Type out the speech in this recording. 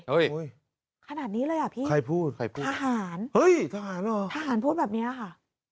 โอ้ยขนาดนี้เลยอ่ะพี่ทหารทหารพูดแบบนี้ค่ะ